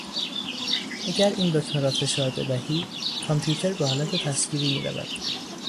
اگر این دکمه را فشار بدهی کامپیوتر به حالت تصویری میرود.